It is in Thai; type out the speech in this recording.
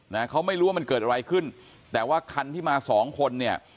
นะเขาไม่รู้ว่ามันเกิดอะไรขึ้นแต่ว่าคันที่มาสองคนเนี่ย